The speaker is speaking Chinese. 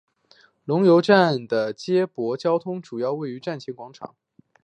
龙游站的接驳交通主要位于站前广场。